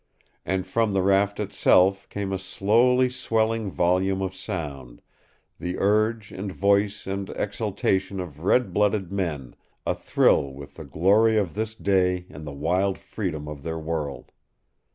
And from the raft itself came a slowly swelling volume of sound, the urge and voice and exultation of red blooded men a thrill with the glory of this day and the wild freedom of their world.